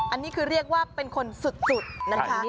อันนี้คือเรียกว่าเป็นคนสุดนะคะ